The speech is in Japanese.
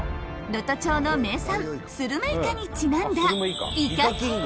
能登町の名産スルメイカにちなんだ面白いじゃん。